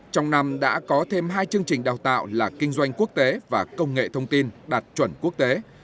trong năm đã có thêm hai chương trình đào tạo là kinh doanh quốc tế và công nghệ thông tin đạt chuẩn quốc tế